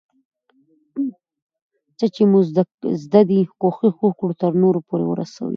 څه چي مو زده دي، کوښښ وکړه ترنور پورئې ورسوې.